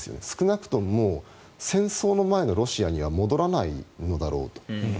少なくとも戦争の前のロシアには戻らないのだろうと。